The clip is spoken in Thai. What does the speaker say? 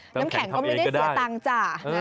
น้ำแข็งก็ไม่ได้เสียตังค์จ้ะ